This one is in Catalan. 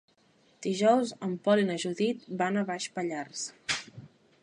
Dijous en Pol i na Judit van a Baix Pallars.